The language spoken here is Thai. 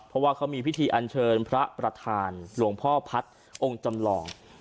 เพราะว่าเขามีพิธีอันเชิญพระประธานหลวงพ่อพัฒน์องค์จำลอง